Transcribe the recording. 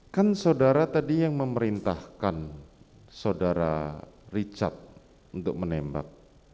kan saudara tadi yang memerintahkan saudara richard untuk menembak